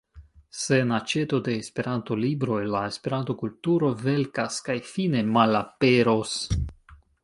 Sen aĉeto de Esperanto-libroj la Esperanto-kulturo velkas kaj fine malaperos.